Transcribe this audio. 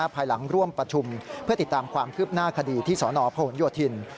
ภายหลังร่วมประชุมเพื่อติดตามความคืบหน้าคดีที่สนพหนโยธิน